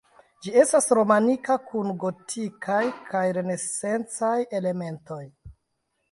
Ĝi estas romanika kun gotikaj kaj renesancaj elementoj.